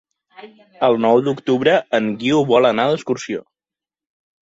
El nou d'octubre en Guiu vol anar d'excursió.